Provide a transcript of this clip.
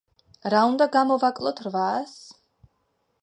რა უნდა გამოვაკლოთ რვას?